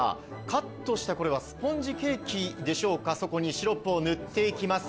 カットしたスポンジケーキでしょうか、そこにシロップを塗っていきます。